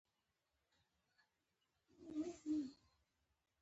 د انګلیسي ژبې زده کړه مهمه ده ځکه چې حقوق ښيي.